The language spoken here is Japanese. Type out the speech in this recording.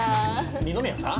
二宮さん？